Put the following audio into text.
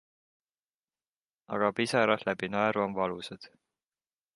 Aga pisarad läbi naeru on valusad.